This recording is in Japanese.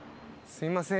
すいません。